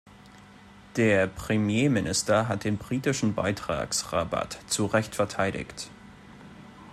Der Premierminister hat den britischen Beitragsrabatt zu Recht verteidigt.